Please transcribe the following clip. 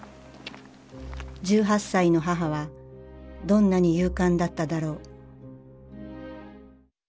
１８歳の母はどんなに勇敢だっただろう